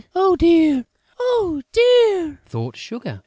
"Oh, dear, oh, dear!" thought Sugar.